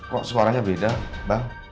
kok suaranya beda bang